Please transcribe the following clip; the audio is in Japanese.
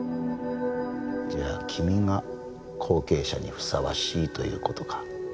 じゃあ君が後継者にふさわしいという事か。